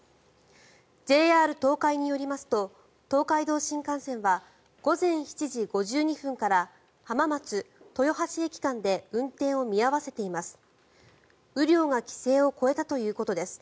ＪＲ東海によりますと東海道新幹線は午前７時５２分から浜松豊橋駅間で運転を見合わせています。